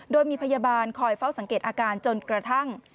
โดยมีพยาบาลคอยเฝ้าสังเกตอาการจนกระทั่ง